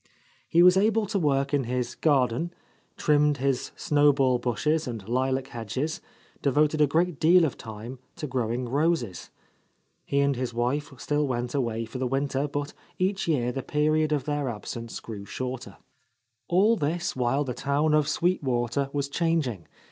He was able to work in his garden, trimmed his snowball bushes and lilac hedges, devoted a great deal of time to growing roses. He and his wife still went away for the winter, but each year the period of their absence grew shorter. All this while the town of Sweet Water was changing.